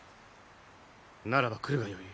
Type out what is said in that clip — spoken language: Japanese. ならば来るがよい。